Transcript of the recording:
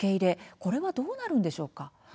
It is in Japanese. これはどうなるんでしょうか。